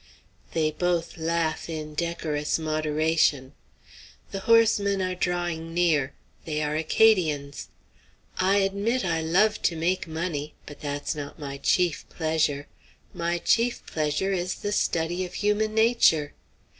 They both laugh in decorous moderation. The horsemen are drawing near; they are Acadians. "I admit I love to make money. But that's not my chief pleasure. My chief pleasure is the study of human nature.